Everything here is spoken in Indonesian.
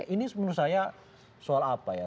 ini menurut saya soal apa ya